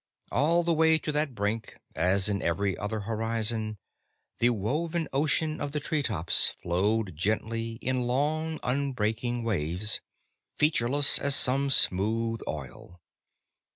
All the way to that brink, as to every other horizon, the woven ocean of the treetops flowed gently in long, unbreaking waves, featureless as some smooth oil.